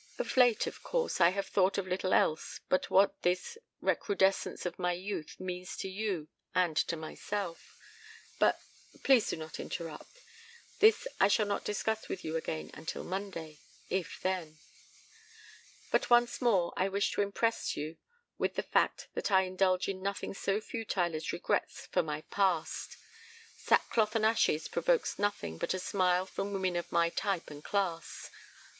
Of late, of course, I have thought of little else but what this recrudescence of my youth means to you and to myself. But please do not interrupt this I shall not discuss with you again until Monday if then. "But once more I wish to impress you with the fact that I indulge in nothing so futile as regrets for my 'past.' 'Sack cloth and ashes' provokes nothing but a smile from women of my type and class.